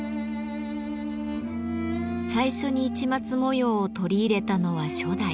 最初に市松模様を取り入れたのは初代。